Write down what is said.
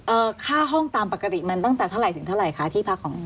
ค่าห้องตามปกติมันตั้งแต่เท่าไหร่ถึงเท่าไหร่คะที่พักของ